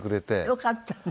よかったわね。